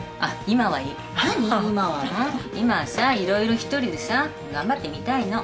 今はさ色々一人でさ頑張ってみたいの。